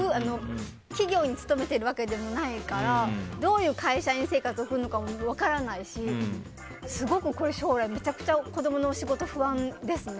企業に勤めてるわけでもないからどういう会社員生活を送るのか分からないしすごく将来、子供の仕事は不安ですね。